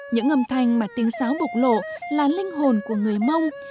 những âm thanh mà tiếng sáo bộc lộ là linh hồn của người mông